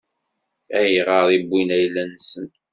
Ayɣer i wwin ayla-nsen?